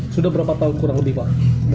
sudah berapa tahun kurang lebih pak